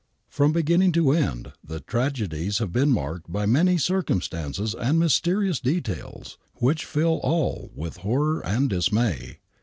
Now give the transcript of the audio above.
Prom beginning to end the tragedies have been marked by many circumstances and mysterious details which fill all with horror and dismay.